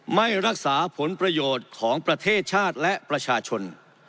ไม่รักษาผลประโยชน์ของประเทศชาติและประชาชน